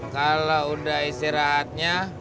kalau udah istirahatnya